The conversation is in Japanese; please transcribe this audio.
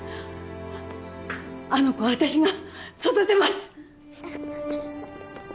あの子は私が育てます！